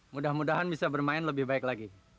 mudah mudahan bisa bermain lebih baik lagi